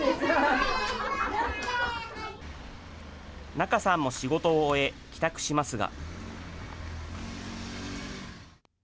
仲さんも仕事を終え、帰宅しますが。